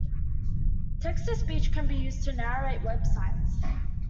Text to speech can be used to narrate websites.